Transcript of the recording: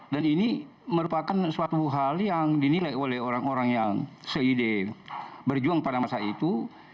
dan ini merupakan suatu hal yang dinilai oleh orang orang yang seideh berjuang pada masa itu